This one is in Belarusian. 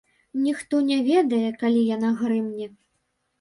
Ніхто не ведае, калі яна грымне.